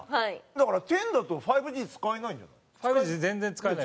だからＸだと５Ｇ使えないんじゃない？えっ！